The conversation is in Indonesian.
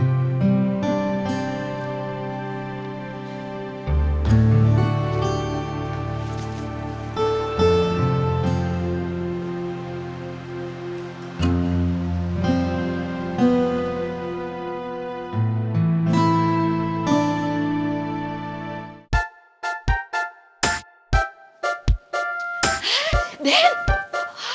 gak ada apa apa